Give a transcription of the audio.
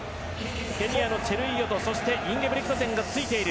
ケニアのチェルイヨトインゲブリクトセンがついている。